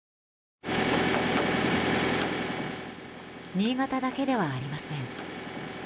新潟だけではありません。